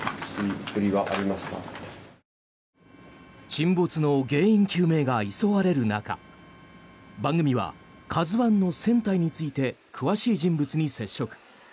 沈没の原因究明が急がれる中番組は「ＫＡＺＵ１」の船体について詳しい人物に接触。